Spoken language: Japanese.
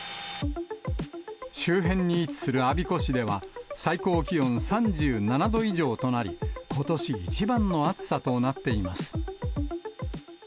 周辺に位置する我孫子市では、最高気温３７度以上となり、ことし一番の暑さとなっています。